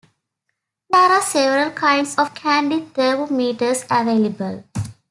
There are several kinds of candy thermometers available.